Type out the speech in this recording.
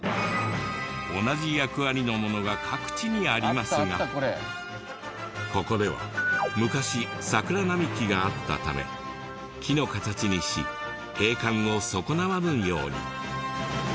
同じ役割のものが各地にありますがここでは昔桜並木があったため木の形にし景観を損なわぬように。